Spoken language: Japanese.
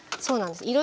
そうなんです。